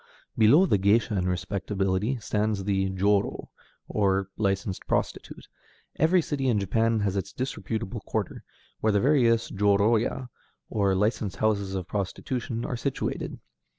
Below the géisha in respectability stands the jōrō, or licensed prostitute. Every city in Japan has its disreputable quarter, where the various jōrōya, or licensed houses of prostitution, are situated.